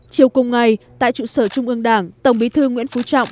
chiều cùng ngày tại trụ sở trung ương đảng tổng bí thư nguyễn phú trọng